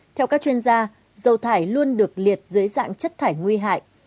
theo các chuyên gia dầu thải luôn được liệt dưới dạng chất thải nguy hại